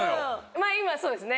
まぁ今そうですね。